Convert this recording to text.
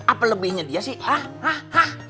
apa lebihnya dia sih hah hah hah